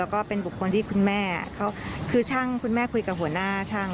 แล้วก็เป็นบุคคลที่คุณแม่เขาคือช่างคุณแม่คุยกับหัวหน้าช่าง